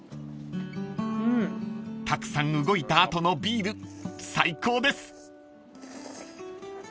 ［たくさん動いた後のビール最高です］